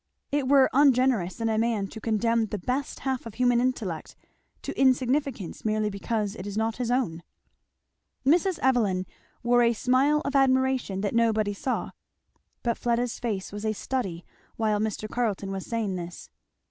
It were ungenerous, in man to condemn the best half of human intellect to insignificance merely because it is not his own." Mrs. Evelyn wore a smile of admiration that nobody saw, but Fleda's face was a study while Mr. Carleton was saying this.